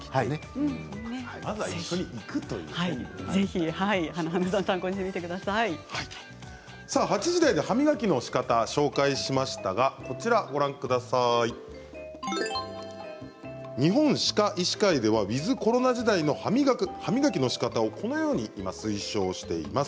歯医者さんが口臭のにおいの原因も８時台で歯磨きのしかたを紹介しましたが日本医師会医師会ではｗｉｔｈコロナ時代の歯磨きのしかたをこのように今、推奨しています。